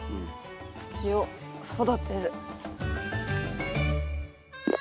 土を育てる。